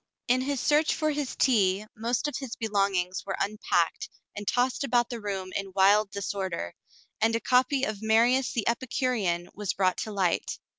In his search for his tea, most of his belongings were unpacked and tossed about the room in wild disorder, and a copy of Marius the Epicurean was brought to light.